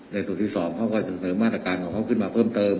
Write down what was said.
ส่วนที่๒เขาก็จะเสริมมาตรการของเขาขึ้นมาเพิ่มเติม